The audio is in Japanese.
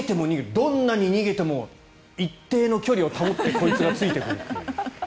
どんなに逃げても一定の距離を保ってこいつがついてくるという。